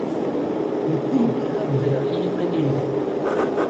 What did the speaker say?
Nekk ur bɣiɣ ad ddreɣ i yiman-inu.